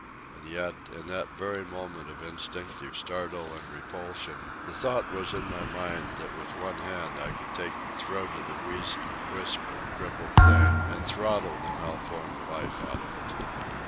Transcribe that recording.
And yet, in that very moment of instinctive startle and repulsion, the thought was in my mind that with one hand I could take the throat of the weazened wisp of a crippled thing and throttle the malformed life out of it.